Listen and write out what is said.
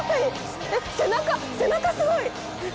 背中背中すごい！